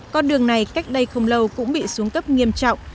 con đường này cách đây không lâu cũng bị xuống cấp nghiêm trọng